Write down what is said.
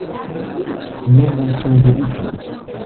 Ne maltrankviliĝu.